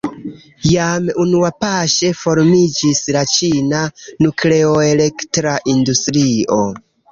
Jam unuapaŝe formiĝis la ĉina nukleoelektra industrio.